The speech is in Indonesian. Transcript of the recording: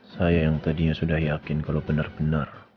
saya yang tadinya sudah yakin kalau benar benar